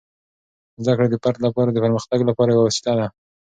زده کړه د فرد لپاره د پرمختګ لپاره یوه وسیله ده.